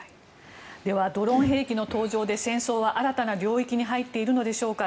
ではドローン兵器の登場で戦争は新たな領域に入っているのでしょうか。